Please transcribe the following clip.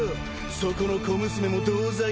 そこの小娘も同罪だ。